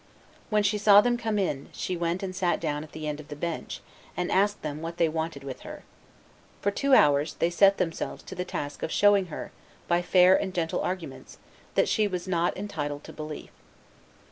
When she saw them come in, she went and sat down at the end of the bench, and asked them what they wanted with her. For two hours they set themselves to the task of showing her, "by fair and gentle arguments," that she was not entitled to belief.